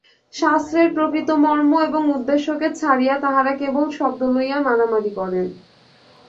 শাস্ত্রের প্রকৃত মর্ম এবং উদ্দেশ্যকে ছাড়িয়া তাঁহারা কেবল শব্দ লইয়া মারামারি করেন।